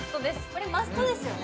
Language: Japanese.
これマストですよね